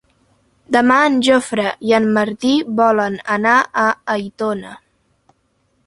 Demà en Jofre i en Martí volen anar a Aitona.